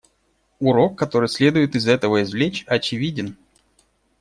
Урок, который следует из этого извлечь, очевиден.